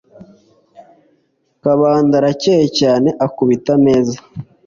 kabanda arakaye cyane akubita ameza